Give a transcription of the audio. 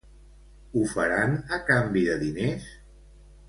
Ho faran a canvi de diners?